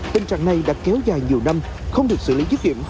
tình trạng này đã kéo dài nhiều năm không được xử lý dứt điểm